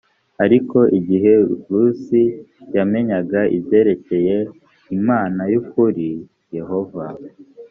ariko igihe rusi yamenyaga ibyerekeye imana y ukuri yehova